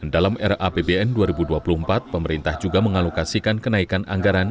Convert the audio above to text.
dalam rapbn dua ribu dua puluh empat pemerintah juga mengalokasikan kenaikan anggaran